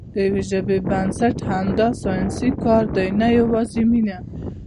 د یوې ژبې بنسټ همدا ساینسي کار دی، نه یوازې مینه.